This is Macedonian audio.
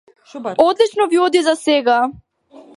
Одлично ви оди засега.